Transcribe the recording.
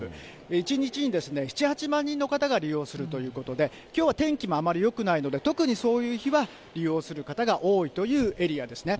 １日に７、８万人の方が利用するということで、きょうは天気もあまりよくないので、特にそういう日は利用する方が多いというエリアですね。